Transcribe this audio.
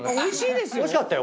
おいしかったよ。